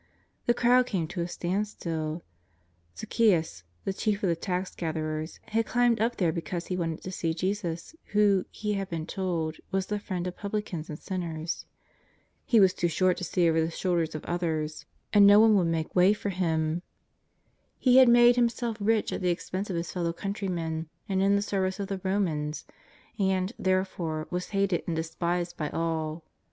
The crowd came to a standstill. Zaccheus, the chief of the tax gatherers, had climbed up there be cause he wanted to see Jesus, who, he had been told, was the Priend of publicans and sinners. He was too short to see over the shoulders of others, and no one 300 JESUS OF NAZARETH. would make way for him. lie had made himself rich at the expense of his fellow countrymen and in the service of the Romans, and, therefore, was hated and despised by all.